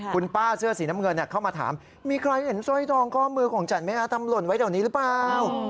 คุณป้าเสื้อสีน้ำเงินเข้ามาถามมีใครเห็นสร้อยทองข้อมือของฉันไหมฮะทำหล่นไว้แถวนี้หรือเปล่า